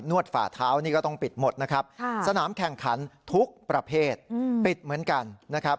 วดฝ่าเท้านี่ก็ต้องปิดหมดนะครับสนามแข่งขันทุกประเภทปิดเหมือนกันนะครับ